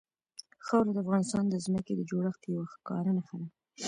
خاوره د افغانستان د ځمکې د جوړښت یوه ښکاره نښه ده.